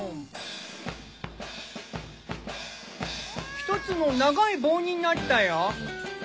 １つの長い棒になったよ。